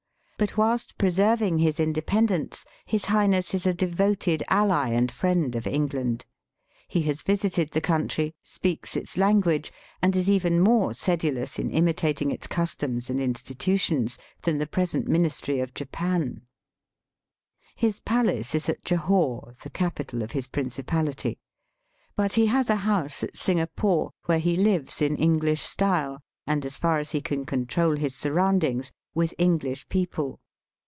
But whilst preserving his inde pendence, his Highness is a devoted ally and friend of England. He has visited the country, speaks its language, and is even more sedulous in imitating its customs and institutions than the present ministry of Japan, His palace is at Jahore, the capital of his principality. But he has a house at Singapore, . where he lives in English style, and, as far as he can control his surroundings, with EngKsh people.